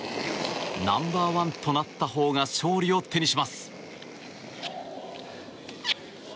ナンバー１となったほうが勝利を手にします。